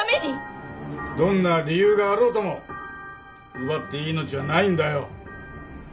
どんな理由があろうとも奪っていい命はないんだよ。